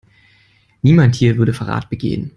Niemand hier würde Verrat begehen.